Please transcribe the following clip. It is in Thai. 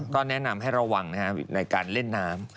ก็แนะนำให้ระวังในการเล่นน้ำ